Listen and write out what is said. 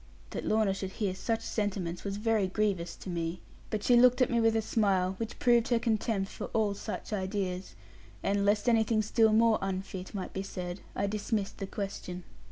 That Lorna should hear such sentiments was very grievous to me. But she looked at me with a smile, which proved her contempt for all such ideas; and lest anything still more unfit might be said, I dismissed the question.